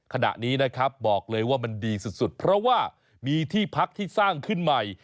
ขณะนี้นะครับบอกเลยว่ามันดีสุดเพราะว่ามีที่พักที่สร้างขึ้นใหม่